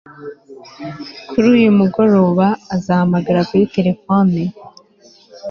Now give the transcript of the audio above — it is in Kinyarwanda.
Kuri uyu mugoroba azahamagara kuri terefone